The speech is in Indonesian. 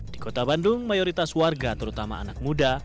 di kota bandung mayoritas warga terutama anak muda